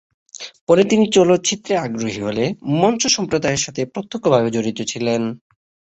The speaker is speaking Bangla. পরে তিনি চলচ্চিত্রে আগ্রহী হলে মঞ্চ সম্প্রদায়ের সাথে প্রত্যক্ষভাবে জড়িত ছিলেন।